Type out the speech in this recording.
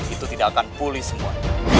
itu tidak akan pulih semua